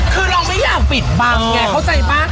คือเราไม่อยากปิดบังไงเข้าใจป่ะ